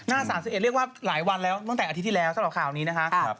๓๑เรียกว่าหลายวันแล้วตั้งแต่อาทิตย์ที่แล้วสำหรับข่าวนี้นะคะ